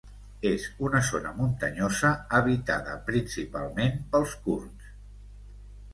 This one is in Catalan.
És una zona muntanyosa habitada principalment pels kurds.